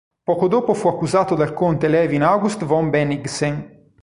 Poco dopo fu accusato dal conte Levin August von Bennigsen.